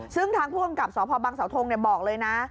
ซึ่งทางผู้กำกับสพบังเสาทงบอกเลยนะ